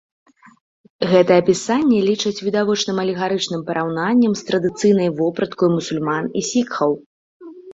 Гэта апісанне лічаць відавочным алегарычным параўнаннем з традыцыйнай вопраткаю мусульман і сікхаў.